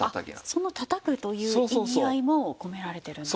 そのたたくという意味合いも込められてるんですか。